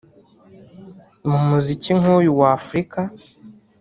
mu muziki nk’uyu wa Afurika